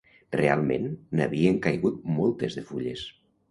Realment, n'havien caigut moltes de fulles.